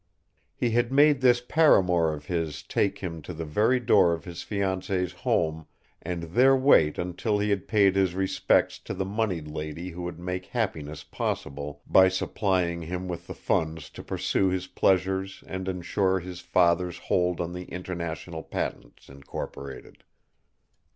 He had made this paramour of his take him to the very door of his fiancée's home, and there wait until he had paid his respects to the moneyed lady who would make happiness possible by supplying him with the funds to pursue his pleasures and insure his father's hold on the International Patents, Incorporated.